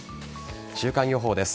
週間予報です。